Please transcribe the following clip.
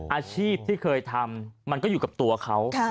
อาชีพที่เคยทำมันก็อยู่กับตัวเขา